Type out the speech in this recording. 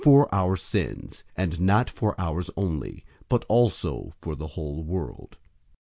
} for our sins, and not for ours only, but also for the whole world.